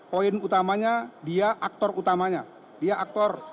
poin utamanya dia aktor utamanya